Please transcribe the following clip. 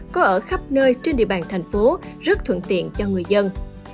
có ở khắp nơi trên địa bàn thành phố rất thuận tiện cho người dân